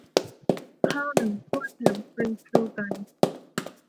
ข้าวหนึ่งถ้วยแถมฟรีสตูว์ไก่